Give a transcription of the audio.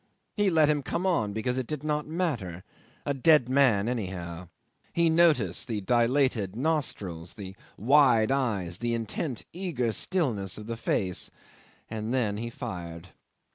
He let him come on because it did not matter. A dead man, anyhow. He noticed the dilated nostrils, the wide eyes, the intent, eager stillness of the face, and then he fired.